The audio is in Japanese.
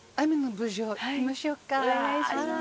お願いします。